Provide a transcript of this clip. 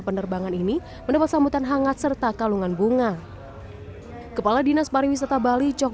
penerbangan ini mendapat sambutan hangat serta kalungan bunga kepala dinas pariwisata bali cok